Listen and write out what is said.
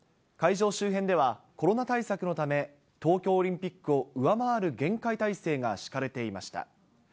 会場周辺では、コロナ対策のため、東京オリンピックを上回る厳戒態勢が敷かれていました。